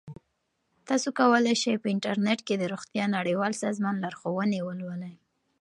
تاسو کولی شئ په انټرنیټ کې د روغتیا نړیوال سازمان لارښوونې ولولئ.